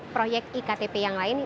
proyek iktp yang lain